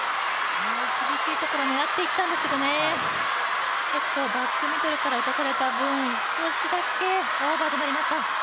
厳しいところを狙っていったんですけどね、バックミドルから打たされた分、少しだけオーバーとなりました。